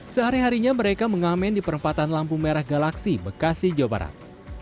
sehari harinya mereka mengamen di perempatan lampu merah galaksi bekasi jawa barat